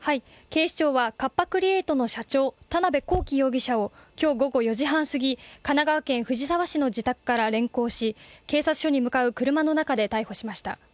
警視庁はカッパ・クリエイトの社長、田辺公己容疑者を今日午後４時半すぎ、神奈川県藤沢市の自宅から連行し警察署に向かう車の中で逮捕しました。